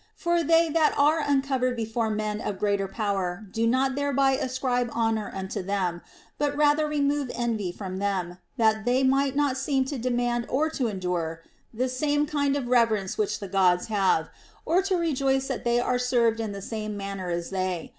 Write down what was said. For they that are uncovered before men of greater power do not thereby ascribe honor unto them, but rather remove envy from them, that they might not seem to de mand or to endure the same kind of reverence which the Gods have, or to rejoice that they are served in the same manner as they.